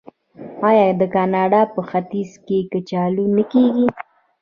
آیا د کاناډا په ختیځ کې کچالو نه کیږي؟